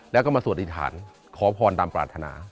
แล้วก็มาสวทิธาณขอพรตามปราณฑณา